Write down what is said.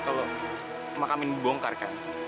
kalau makamin dibongkar kan